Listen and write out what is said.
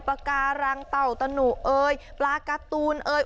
ปลาก่าหรังเดาตนูเอ๋ยปลากาตูนเอ๋ย